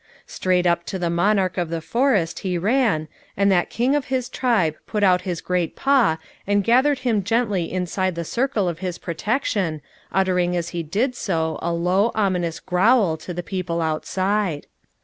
Straight up to the monarch of the forest he ran, and that king of his tribe put out his great paw and gathered him gently inside the circle of his protection, uttering as he did so a low, ominous growl to the people outside.